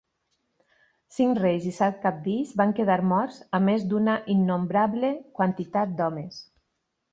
Cinc reis i set cabdills van quedar morts, a més d'una innombrable quantitat d'homes.